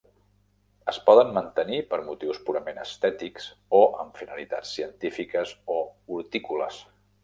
Es poden mantenir per motius purament estètics o amb finalitats científiques o hortícoles.